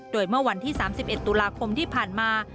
โดยเมื่อวันที่๓๑ตุลาคมที่ผ่านมา